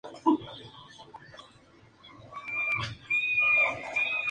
El Rosenborg es el vigente campeón, pues ganó la temporada anterior.